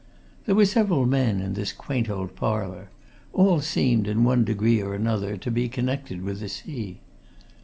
There were several men in this quaint old parlour; all seemed, in one degree or another, to be connected with the sea.